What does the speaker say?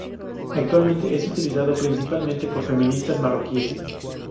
Actualmente, es utilizado principalmente por feministas marroquíes.